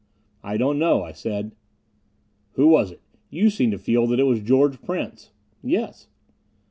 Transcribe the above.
"I don't know," I said. "Who was it? You seem to feel it was George Prince?" "Yes."